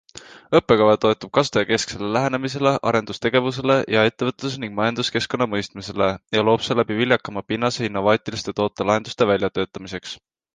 Õppekava toetub kasutajakesksele lähenemisele, arendustegevusele ja ettevõtluse ning majanduskeskkonna mõistmisele ja loob seeläbi viljakama pinnase innovaatiliste tootelahenduste väljatöötamiseks.